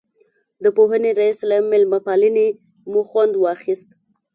د پوهنې رئیس له مېلمه پالنې مو خوند واخیست.